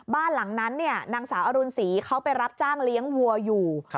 บ้านหลังนั้นนางสาวอรุณศรีเขาไปรับจ้างเลี้ยงวัวอยู่